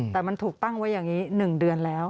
แต่มันถูกตั้งไว้อย่างนี้๑เดือนแล้ว